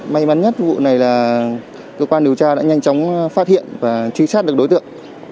may mắn nhất vụ này là cơ quan điều tra đã nhanh chóng phát hiện và truy sát được đối tượng